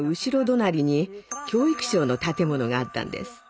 隣に教育省の建物があったんです。